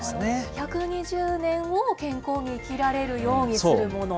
１２０年を健康に生きられるようにするもの？